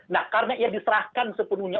nah karena ia diserahkan sepenuhnya